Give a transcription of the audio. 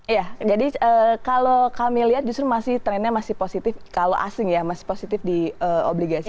iya jadi kalau kami lihat justru masih trennya masih positif kalau asing ya masih positif di obligasi